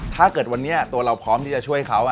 ถ้าเกิดวันนี้ตัวเราพร้อมที่จะช่วยเขา